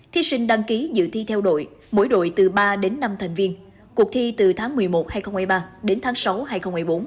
thí sinh đăng ký dự thi theo đội mỗi đội từ ba đến năm thành viên cuộc thi từ tháng một mươi một hai nghìn hai mươi ba đến tháng sáu hai nghìn một mươi bốn